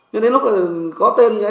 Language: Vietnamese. nhưng đến lúc có tên